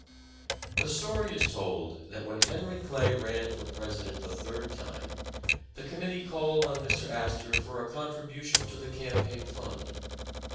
The story is told that when Henry Clay ran for President the third time, the committee called on Mr, Astor for a contribution to the campaign fund.